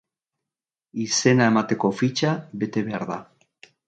Izena emateko fitxa bete behar da.